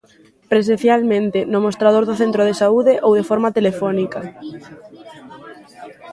Presencialmente, no mostrador do centro de saúde, ou de forma telefónica...